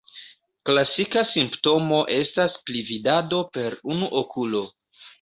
Klasika simptomo estas pli-vidado per unu okulo.